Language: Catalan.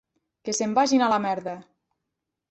Que se'n vagin a la merda!